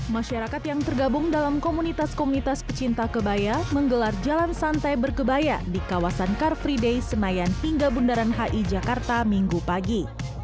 masyarakat yang tergabung dalam komunitas komunitas pecinta kebaya menggelar jalan santai berkebaya di kawasan car free day senayan hingga bundaran hi jakarta minggu pagi